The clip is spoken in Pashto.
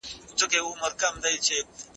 او جنګیالي په معنا ثبت سوې ده.